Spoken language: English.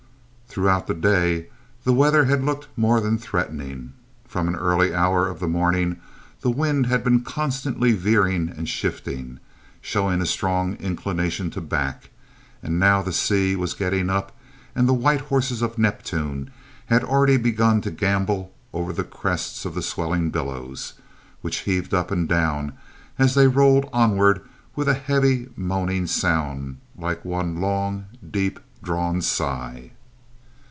Throughout the day the weather had looked more than threatening. From an early hour of the morning the wind had been constantly veering and shifting, showing a strong inclination to back; and now the sea was getting up and the white horses of Neptune had already begun to gambol over the crests of the swelling billows, which heaved up and down as they rolled onward with a heavy moaning sound, like one long, deep drawn sigh!